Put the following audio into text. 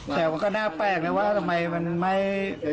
แต่ว่าก็น่าแปลกนะว่าทำไมมันไม่พังไปเลยนะ